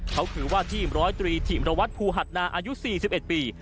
เขาคือว่าทีม๑๐๓ทีมรวัตรภูหัตนาอายุ๔๑ปี